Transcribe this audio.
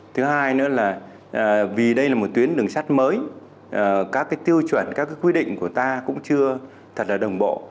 thứ hai nữa là vì đây là một tuyến đường sắt mới các tiêu chuẩn các quy định của ta cũng chưa thật là đồng bộ